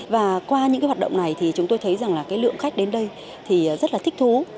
và qua những hoạt động này thì chúng tôi thấy rằng lượng khách đến đây rất là thích thú